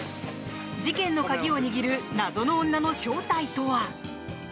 事件の鍵を握る謎の女の正体とは？